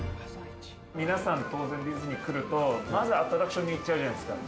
皆さん、当然ディズニー来ると、まず、アトラクションに行っちゃうじゃないですか。